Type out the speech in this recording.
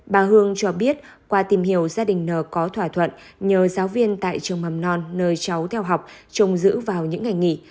bà hương cho biết qua tìm hiểu gia đình nờ có thỏa thuận nhờ giáo viên tại trường mầm non nơi cháu theo học trông giữ vào những ngày nghỉ